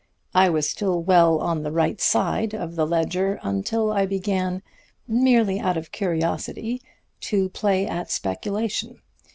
I was still well on the right side of the ledger until I began, merely out of curiosity, to play at speculation.